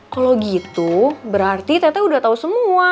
kalau gitu berarti tete udah tahu semua